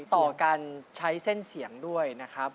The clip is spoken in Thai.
ต่อการใช้เส้นเสียงด้วยนะครับ